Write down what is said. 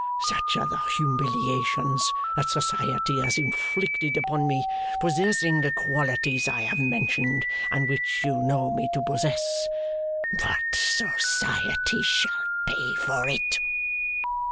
Such are the humiliations that society has inflicted upon me, possessing the qualities I have mentioned, and which you know me to possess. But society shall pay for it.